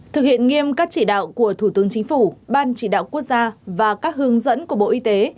thực hiện nghiêm các chỉ đạo của thủ tướng chính phủ ban chỉ đạo quốc gia và các hướng dẫn của bộ y tế